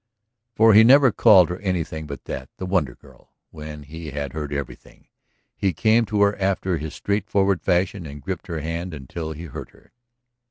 For he never called her anything but that, the Wonder Girl. When he had heard everything, he came to her after his straightforward fashion and gripped her hand until he hurt her.